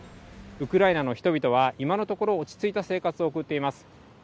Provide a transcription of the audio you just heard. ウクライナの人々は今のところ、落ち着いた生活を送っています。